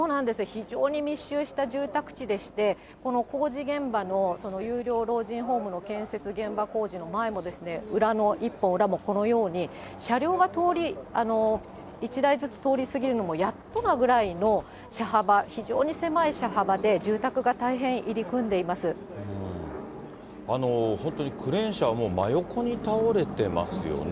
非常に密集した住宅地でして、この工事現場の、有料老人ホームの建設現場工事の前も、裏の、一本裏もこのように車両が通り、１台ずつ通り過ぎるのもやっとなぐらいの車幅、非常に狭い車幅で、本当にクレーン車は、もう真横に倒れてますよね。